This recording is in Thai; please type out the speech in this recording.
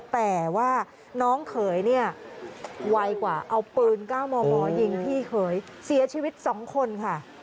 แต่ว่าน้องเขยเนี่ยวัยกว่าเอาปืน๙มมยิงพี่เขยเสียชีวิต๒คนค่ะ